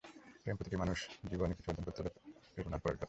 প্রেম, প্রতিটি মানুষ জীবনে কিছু অর্জন করতে হলে প্রেরণার প্রয়োজন।